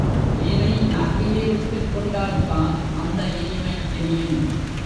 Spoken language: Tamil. தேனை நாக்கிலே விட்டுக் கொண்டால்தான் அந்த இனிமை தெரியும்.